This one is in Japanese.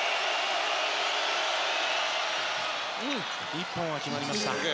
１本は決まりました。